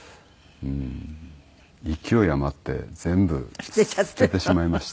勢い余って全部捨ててしまいました。